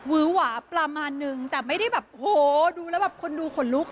ื้อหวาประมาณนึงแต่ไม่ได้แบบโหดูแล้วแบบคนดูขนลุก